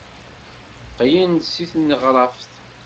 Qqlen-d seg tneɣraft.